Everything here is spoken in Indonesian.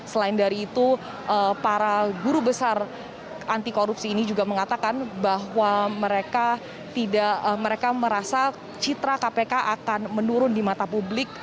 selain dari itu para guru besar anti korupsi ini juga mengatakan bahwa mereka merasa citra kpk akan menurun di mata publik